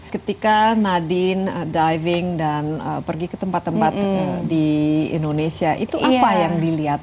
ketika nadine diving dan pergi ke tempat tempat di indonesia itu apa yang dilihat